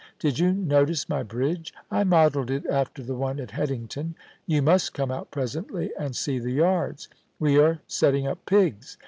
Did you notice my bridge ? I modelled it after the one at Headington. You must come out presently and see the yards. We are setting up pigs.